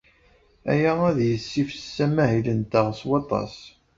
Aya ad yessifses amahil-nteɣ s waṭas.